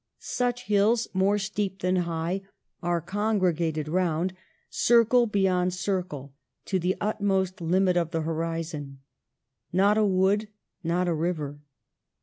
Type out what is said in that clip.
Such hills, more steep than high, are congregated round, circle beyond circle, to the utmost limit of the horizon. Not a wood, not a river.